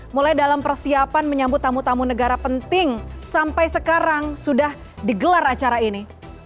mulai dalam persiapan menyambut tamu tamu negara penting sampai sekarang sudah digelar acara ini